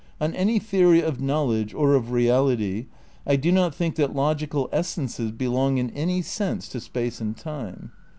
On any theory of knowledge or of reality I do not think that logical essences belong in any sense to space and time.